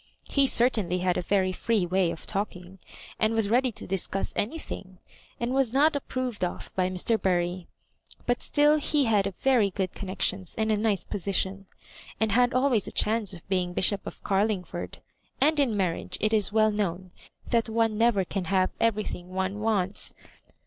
He certainly had a very free way of talking, and was ready to discuss anything^ and was not ap proved of by Mr. Bury. But still he had very good connections and a nice position, and had always a chance of being Bishop of Carlingford; and in marriage it is well known that one never can have everything one wants.